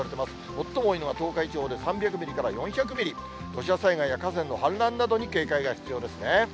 最も多いのは東海地方で３００ミリから４００ミリ、土砂災害や河川の氾濫などに警戒が必要ですね。